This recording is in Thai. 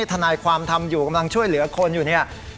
ทนายความทำอยู่กำลังช่วยเหลือคนอยู่เนี่ย